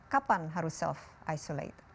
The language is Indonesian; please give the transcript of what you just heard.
kapan harus self isolate